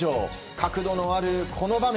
角度のあるこの場面。